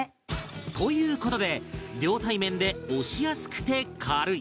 という事で両対面で押しやすくて軽い